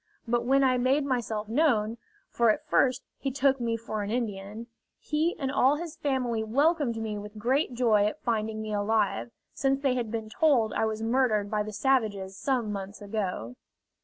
But when I made myself known for at first he took me for an Indian he and all his family welcomed me with great joy at finding me alive; since they had been told I was murdered by the savages some months ago.